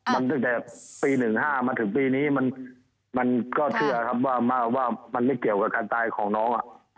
มันตั้งแต่ปี๑๕มาถึงปีนี้มันก็เชื่อครับว่ามันไม่เกี่ยวกับการตายของน้อง